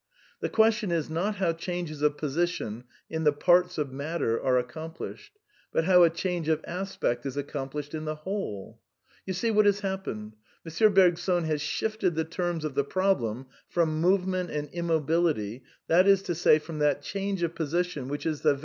The question is, not how changes of posi tion in the parts of matter are accomplished, but how a change of aspect is accomplished in the whole* You see what has happened ? M. Bergson has shifted the terms of the problem from movement and immobility, that is to say, from that change of position which is the>X.